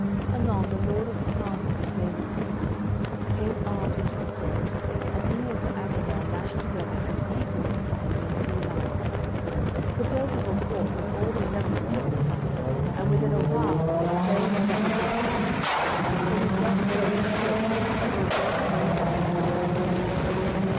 Anon the lord of the castle, whose name was Goodewin, came armed into the court, and he and Sir Aglovale lashed together as eagerly as it had been two lions. Sir Percivale fought with all the remnant that would fight, and within a while had slain all that would withstand him, for he dealt so his strokes that there durst no man abide him.